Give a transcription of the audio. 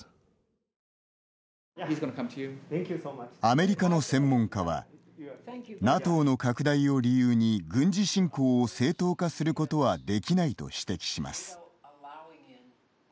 アメリカの専門家はＮＡＴＯの拡大を理由に軍事侵攻を正当化することはできないと指摘します。